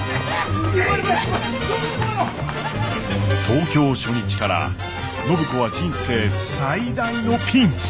東京初日から暢子は人生最大のピンチ！